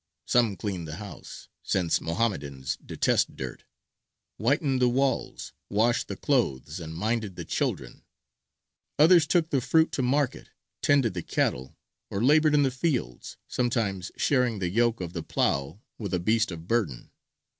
Some cleaned the house, (since Mohammedans detest dirt,) whitened the walls, washed the clothes, and minded the children; others took the fruit to market, tended the cattle, or laboured in the fields, sometimes sharing the yoke of the plough with a beast of burden.